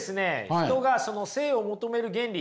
人がその聖を求める原理